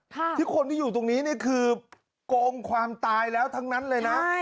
ที่คนที่อยู่ตรงนี้นี่คือโกงความตายแล้วทั้งนั้นเลยนะ